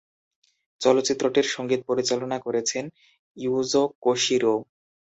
চলচ্চিত্রটির সঙ্গীত পরিচালনা করেছেন ইয়ুজো কোশিরো।